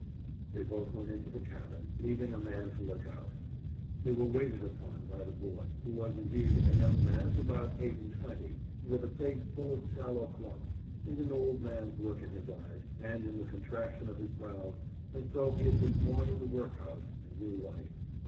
They both went into the cabin, leaving a man to look out. They were waited upon by the 'boy,' who was, indeed, a young man of about eight and twenty, with a face full of sallow fluff, and an old man's look in his eyes and in the contraction of his brows, as though he had been born in the workhouse and knew life.